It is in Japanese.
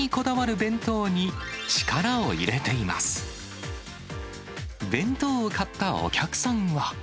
弁当を買ったお客さんは。